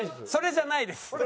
それじゃないです。